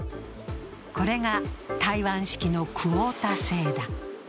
これが台湾式のクオータ制だ。